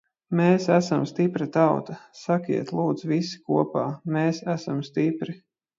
Mēs esam stipra tauta! Sakiet, lūdzu, visi kopā – mēs esam stipri!